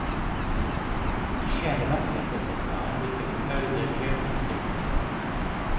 He shared an office at this time with the composer Gerald Finzi.